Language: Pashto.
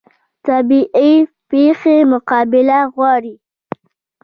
طبیعي پیښې مقابله غواړي